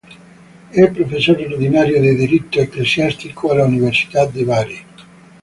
È professore ordinario di diritto Ecclesiastico all'Università di Bari.